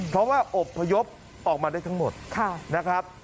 เพราะว่าอบพยพออกมาได้ทั้งหมดนะครับ